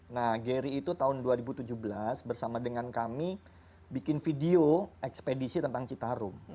nah gary itu tahun dua ribu tujuh belas bersama dengan kami bikin video ekspedisi tentang citarum